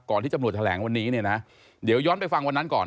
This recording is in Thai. ก่อนที่จำนวดแถลงวันนี้นะเดี๋ยวย้อนไปฟังวันนั้นก่อน